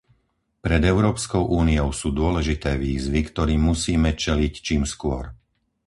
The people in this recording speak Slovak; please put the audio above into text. Pred Európskou úniou sú dôležité výzvy, ktorým musíme čeliť čím skôr.